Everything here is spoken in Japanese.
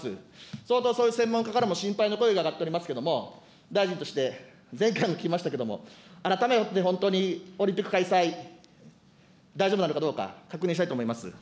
相当そういう専門家からも心配の声が上がっておりますけれども、大臣として、前回も聞きましたけども、改めて本当にオリンピック開催、大丈夫なのかどうか、確認したいと思います。